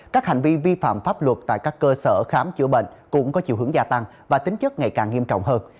các hành vi vi phạm pháp luật tại các cơ sở khám chữa bệnh cũng có chiều hướng gia tăng và tính chất ngày càng nghiêm trọng hơn